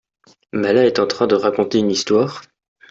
Mala est en train de raconter une histoire ?